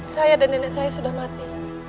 saya dan nenek saya sudah mati